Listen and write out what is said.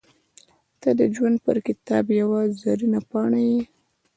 • ته د ژوند پر کتاب یوه زرینه پاڼه یې.